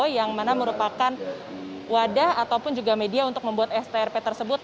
yang mana merupakan wadah ataupun juga media untuk membuat strp tersebut